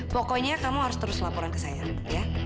pokoknya kamu harus terus laporan ke saya ya